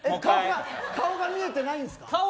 顔が見えてないんですか？